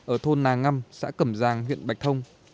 ở thôn nàng ngâm xã cẩm giang huyện bạch thông